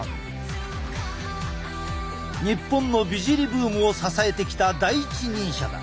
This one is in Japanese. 日本の美尻ブームを支えてきた第一人者だ。